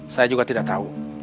saya juga tidak tahu